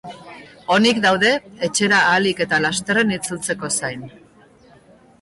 Onik daude, etxera ahalik eta lasterren itzultzeko zain.